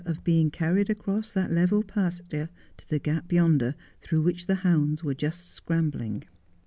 of being carried across that level pasture to the gap yonder through which the hounds were just scrambling.